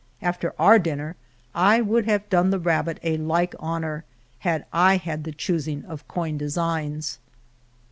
After our din ner I would have done the rabbit a like honor had I had the choosing of coin de signs.